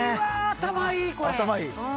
頭いい！